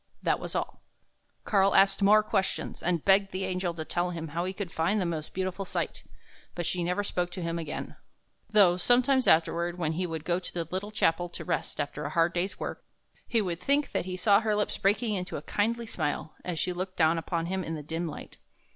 That was all. Karl asked more questions, and begged the angel to tell him how he could find the most beautiful sight, but she never spoke to him again, though sometimes afterward, when he would go to the little chapel to rest after a hard day's work, he would think that he saw her lips breaking into a kindly smile, as she looked down upon him in the dim light.